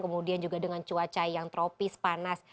kemudian juga dengan cuaca yang tropis panas